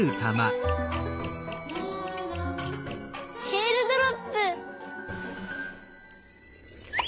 えーるドロップ！